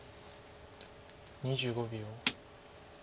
２５秒。